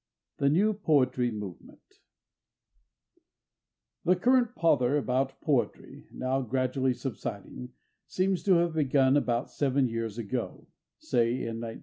THE NEW POETRY MOVEMENT The current pother about poetry, now gradually subsiding, seems to have begun about seven years ago—say in 1912.